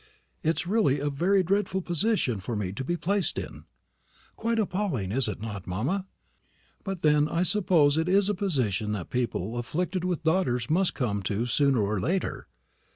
"It's really a very dreadful position for me to be placed in." "Quite appalling, is it not, mamma? But then I suppose it is a position that people afflicted with daughters must come to sooner or later."